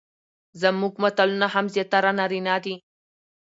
زموږ متلونه هم زياتره نارينه دي،